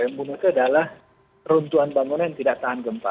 yang membunuh itu adalah peruntuhan bangunan yang tidak tahan gempa